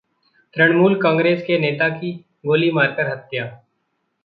तृणमूल कांग्रेस के नेता की गोली मारकर हत्या